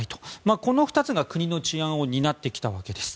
この２つが国の治安を担ってきたわけです。